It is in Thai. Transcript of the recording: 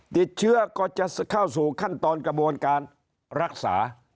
ติดเชื้อก็จะเข้าสู่ขั้นตอนกระบวนการรักษา